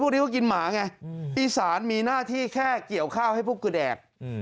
พวกนี้ก็กินหมาไงอีสานมีหน้าที่แค่เกี่ยวข้าวให้พวกกูแดก